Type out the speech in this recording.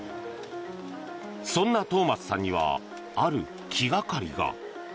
そんなトーマスさんにはある気がかりが。